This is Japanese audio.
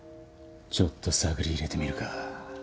ちょっと探り入れてみるか。